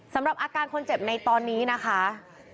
สำหรับอาการคนเจ็บในตอนนี้นะคะ